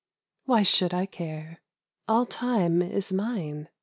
\\ by should 1 care ? All tune is mine.